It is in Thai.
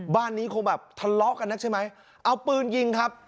บ้านนี้คงแบบทะเลาะกันนักใช่ไหมเอาปืนยิงครับ